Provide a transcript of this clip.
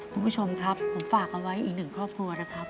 คุณผู้ชมครับผมฝากเอาไว้อีกหนึ่งครอบครัวนะครับ